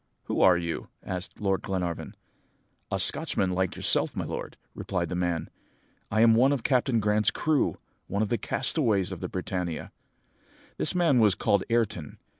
"'Who are you?' asked Lord Glenarvan. "'A Scotchman like yourself, my lord,' replied the man; 'I am one of Captain Grant's crew one of the castaways of the Britannia.' "This man was called Ayrton.